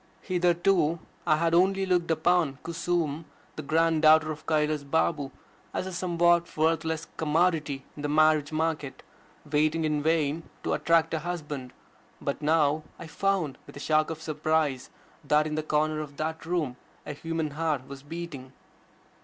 Hitherto I had only looked upon Kusum, the grand daughter of Kailas Babu, as a somewhat worthless commodity in the marriage market, waiting in vain to attract a husband. But now I found, with a shock of surprise, that in the corner of that room a human heart was beating.